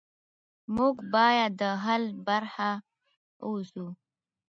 موږ باید د حل برخه اوسو.